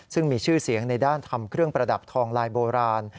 ซึ่งมีชื่อเสียงในด้านทำเครื่องประดับทองลายโบราณ